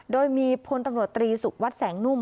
โดยมีพลตำรวจตรีสุวัสดิแสงนุ่ม